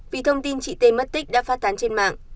vì thông tin chị tê mất tích đã phát tán trên mạng